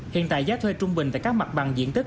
hiện tại giá thuê trung bình tại các mặt bằng diện tích